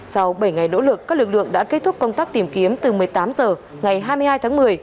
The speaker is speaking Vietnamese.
sau bảy ngày nỗ lực các lực lượng đã kết thúc công tác tìm kiếm từ một mươi tám h ngày hai mươi hai tháng một mươi